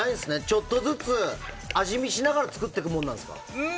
ちょっとずつ味見しながら作っていくものなんですか？